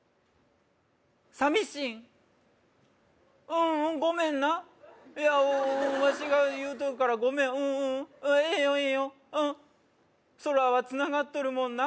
寂しいううんごめんないやワシが言うとくからごめんうんうんええんよええんようん空はつながっとるもんな